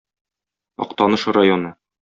Актаныш районы.